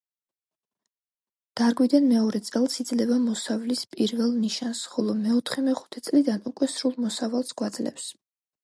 დარგვიდან მეორე წელს იძლევა მოსავლის პირველ ნიშანს, ხოლო მეოთხე-მეხუთე წლიდან უკვე სრულ მოსავალს გვაძლევს.